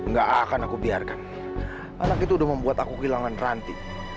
gak akan aku biarkan anak itu udah membuat aku kehilangan ranti